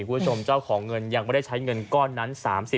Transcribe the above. คุณผู้ชมเจ้าของเงินยังไม่ได้ใช้เงินก้อนนั้น๓๐